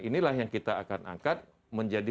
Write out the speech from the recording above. inilah yang kita akan angkat menjadi